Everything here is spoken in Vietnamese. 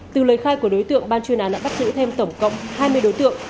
từ lời khai của đối tượng ban chuyên án đã bắt giữ thêm tổng cộng hai mươi đối tượng